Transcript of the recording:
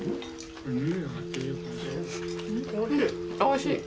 おいしい。